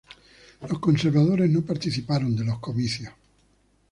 Los conservadores no participaron de los comicios.